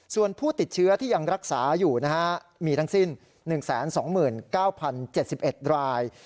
ส่วนผู้ติดเชื้อที่ยังรักษาอยู่นะฮะมีทั้งสิ้น๑๒๙๐๗๑ราย